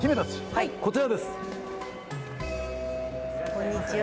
こんにちは。